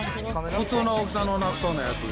普通の大きさの納豆のやつで。